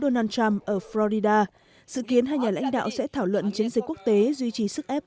donald trump ở florida sự kiến hai nhà lãnh đạo sẽ thảo luận chiến dịch quốc tế duy trì sức ép